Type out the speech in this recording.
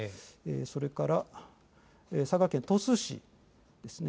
それから、佐賀県鳥栖市ですね。